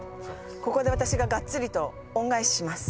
ここで私ががっつりと恩返しします。